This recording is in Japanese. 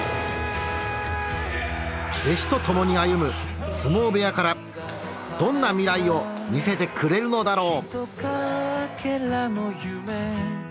弟子とともに歩む相撲部屋からどんな未来を見せてくれるのだろう。